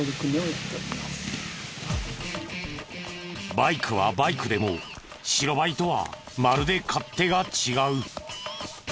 バイクはバイクでも白バイとはまるで勝手が違う。